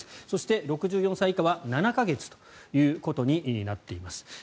そして６４歳以下は７か月ということになっています。